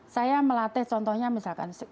saya melatih contohnya misalkan